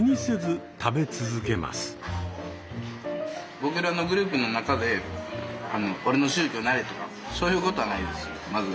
僕らのグループの中で俺の宗教なれとかそういうことはないです。